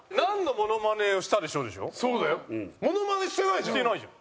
モノマネしてないじゃん。